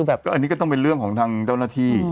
อันนี้ก็ต้องเป็นเรื่องของทางเจ้าหน้าที่